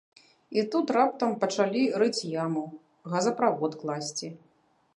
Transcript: І тут раптам пачалі рыць яму, газаправод класці.